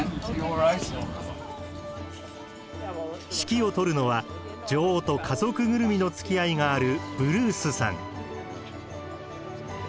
指揮を執るのは女王と家族ぐるみのつきあいがあるブルースさん。